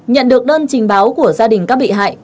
nhận được đơn trình báo của gia đình các bị hại